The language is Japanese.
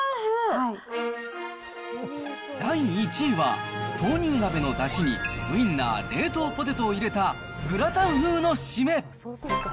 第１位は豆乳鍋のだしにウインナー、冷凍ポテトを入れたグラタン風のシメ。